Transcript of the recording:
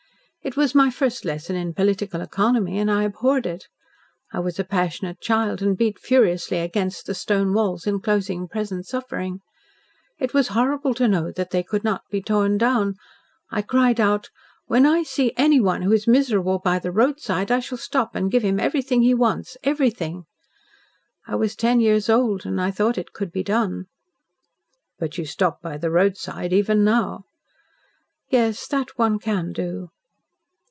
It was my first lesson in political economy and I abhorred it. I was a passionate child and beat furiously against the stone walls enclosing present suffering. It was horrible to know that they could not be torn down. I cried out, 'When I see anyone who is miserable by the roadside I shall stop and give him everything he wants everything!' I was ten years old, and thought it could be done." "But you stop by the roadside even now." "Yes. That one can do."